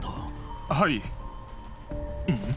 はいうん？